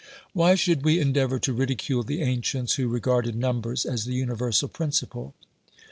Why should we endeavour to ridicule the ancients who re garded numbers as the universal principle